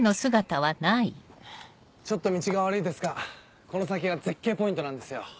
ちょっと道が悪いですがこの先が絶景ポイントなんですよ。